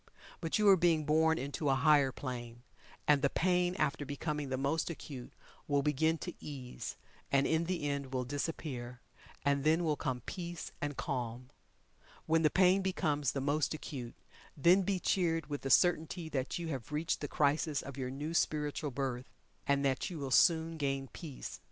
But you are being born into a higher plane, and the pain after becoming the most acute will begin to ease, and in the end will disappear, and then will come peace and calm. When the pain becomes the most acute, then be cheered with the certainty that you have reached the crisis of your new spiritual birth, and that you will soon gain peace.